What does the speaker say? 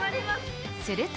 すると。